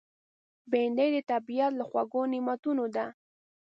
بېنډۍ د طبیعت له خوږو نعمتونو ده